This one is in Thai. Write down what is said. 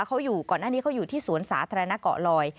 เขาอยู่ก่อนหน้านี้เขาอยู่ที่สวนสาธารณะเกาะลอย